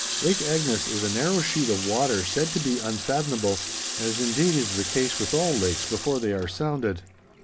Lake Agnes is a narrow sheet of water said to be unfathomable, as indeed is the case with all lakes before they are sounded.